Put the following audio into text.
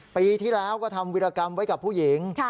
ปีที่แล้วก็ทำวิรากรรมไว้กับผู้หญิง